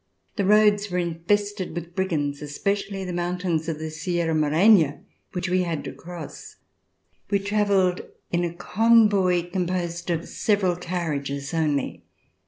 The roads were infested with brigands, especially the mountains of the Sierra Morena which we had to cross. We travelled in a convoy composed of several carriages only.